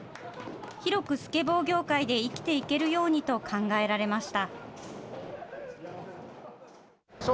広くスケボー業界で生きていけるようにと考えられました。